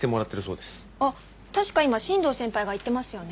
あっ確か今新藤先輩が行ってますよね？